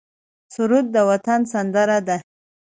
سرود د وطن سندره ده